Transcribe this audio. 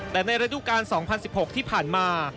แต่ในระดูการ๒๐๑๖ที่ผ่านมา